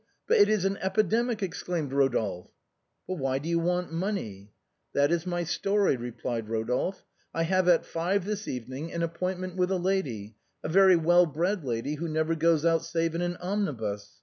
But it is an epidemic !" exclaimed Eodolphe. " But why do you want money ?"" This is my story," replied Eodolphe ;" I have at five this evening an appointment with a lady, a very well bred lady who never goes out save in an omnibus.